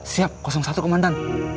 siap satu komandan